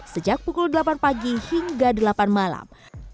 sejak pukul delapan pagi hingga delapan malam